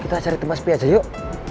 kita cari tempat si pi aja yuk